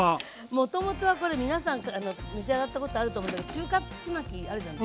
もともとはこれ皆さん召し上がったことあると思うんだけど中華ちまきあるじゃない。